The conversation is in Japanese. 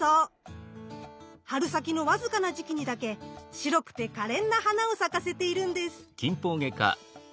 春先のわずかな時期にだけ白くてかれんな花を咲かせているんです。